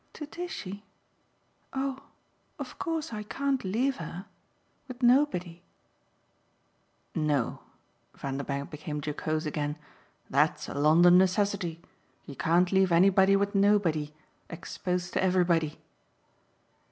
"To Tishy? Oh of course I can't leave her with nobody." "No" Vanderbank became jocose again "that's a London necessity. You can't leave anybody with nobody exposed to everybody."